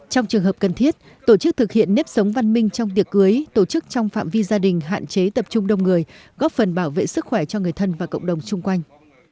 trong trường hợp cần thiết tổ chức thực hiện nếp sống văn minh trong tiệc cưới tổ chức trong phạm vi gia đình hạn chế tập trung đông người góp phần bảo vệ sức khỏe cho người thân và cộng đồng xung quanh